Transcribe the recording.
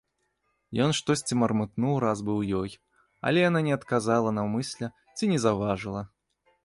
Ён штосьці мармытнуў раз быў ёй, але яна не адказала наўмысля ці не заўважыла.